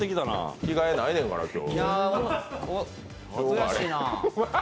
着替えないねんから、今日。